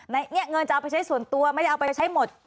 เนี่ยเงินจะเอาไปใช้ส่วนตัวไม่ได้เอาไปใช้หมด